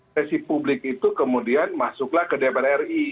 sesi publik itu kemudian masuklah ke dpr ri